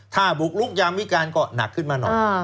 ถ้าบุกลุกยามวิการก็หนักขึ้นมาหน่อย